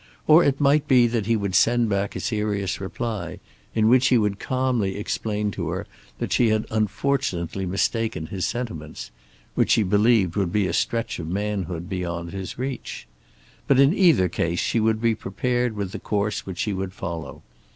Or it might be that he would send back a serious reply, in which he would calmly explain to her that she had unfortunately mistaken his sentiments; which she believed would be a stretch of manhood beyond his reach. But in either case she would be prepared with the course which she would follow.